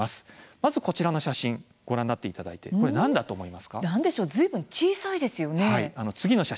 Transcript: まず、こちらの写真をご覧になっていただいてずいぶん小さいですよね。